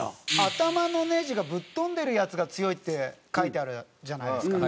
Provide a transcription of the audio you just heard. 「頭のネジがぶっ飛んでるヤツが強い」って書いてあるじゃないですか。